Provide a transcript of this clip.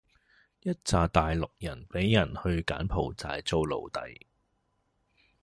一柞大陸人畀人去柬埔寨做奴隸